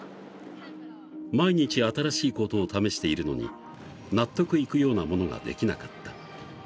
毎日、新しいことを試しているのに納得いくようなものができなかった。